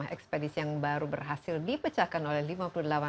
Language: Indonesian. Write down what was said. ekspedisi yang baru berhasil dipecahkan oleh lidl